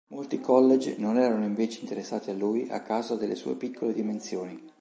Molti college non erano invece interessati a lui a causa delle sue piccole dimensioni.